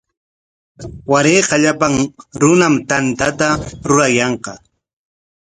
Warayqa llapan runam tantata rurayanqa.